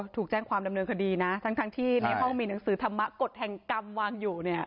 ถูกแจ้งความดำเนินคดีนะทั้งที่ในห้องมีหนังสือธรรมกฎแห่งกรรมวางอยู่เนี่ย